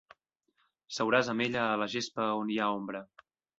Seuràs amb ella a la gespa on hi ha ombra.